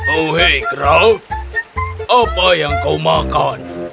oh hei kera apa yang kau makan